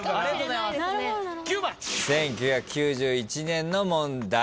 １９９１年の問題